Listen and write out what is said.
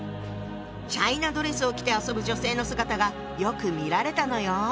チャイナドレスを着て遊ぶ女性の姿がよく見られたのよ。